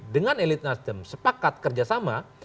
dengan elit nasdem sepakat kerjasama